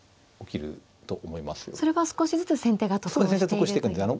それは少しずつ先手が得をしているという。